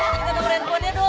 kita dengerin handphonenya dong